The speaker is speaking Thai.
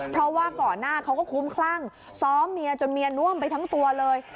เพราะว่าก่อนหน้าเขาก็คุ้มคลั่งซ้อมเมียจนเมียน่วมไปทั้งตัวเลย